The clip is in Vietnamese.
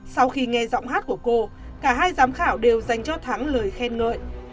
sau khi nghe giọng hát của cô cả hai giám khảo đều dành cho thắng lời khen ngợi